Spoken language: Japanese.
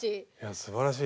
すばらしい。